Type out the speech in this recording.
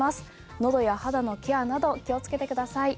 喉や肌のケアなど気をつけてください。